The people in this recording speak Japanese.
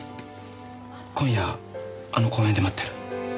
今夜あの公園で待ってる。